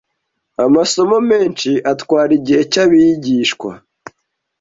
amasomo menshi atwara igihe cy’abigishwa